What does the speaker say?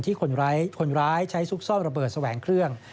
คนร้ายใช้ซุกซ่อนระเบิดแสวงเครื่อง